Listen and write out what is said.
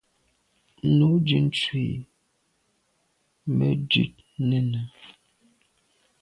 Nu dun tu i me dut nène.